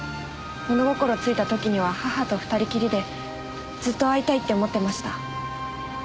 物心ついた時には母と２人きりでずっと会いたいって思ってました。